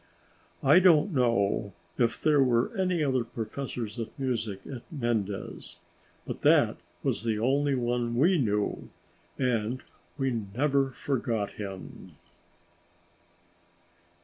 I don't know if there were any other professors of music at Mendes, but that was the only one we knew, and we never forgot him.